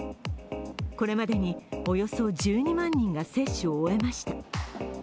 これまでにおよそ１２万人が接種を終えました。